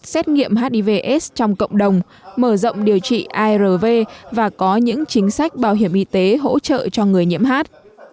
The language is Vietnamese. xét nghiệm hivs trong cộng đồng mở rộng điều trị arv và có những chính sách bảo hiểm y tế hỗ trợ cho người nhiễm hi